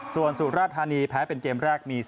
ส่วนสุราธานีแพ้เป็นเกมแรกมี